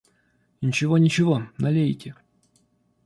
— Ничего, ничего, налейте.